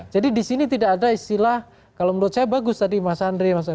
jadi di sini tidak ada istilah kalau menurut saya bagus tadi mas andre